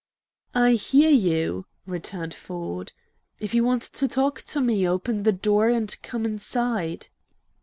"I hear you!" returned Ford. "If you want to talk to me, open the door and come inside."